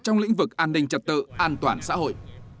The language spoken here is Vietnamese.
trong lĩnh vực an ninh trật tự an toàn xã hội